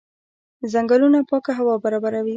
ځنګلونه پاکه هوا برابروي.